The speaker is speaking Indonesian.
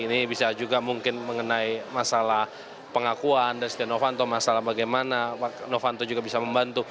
ini bisa juga mungkin mengenai masalah pengakuan dari setia novanto masalah bagaimana novanto juga bisa membantu